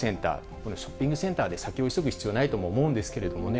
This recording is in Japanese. このショッピングセンターで先を急ぐ必要もないと思うんですがね。